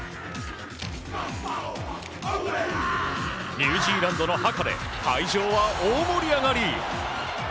ニュージーランドのハカで会場は大盛り上がり！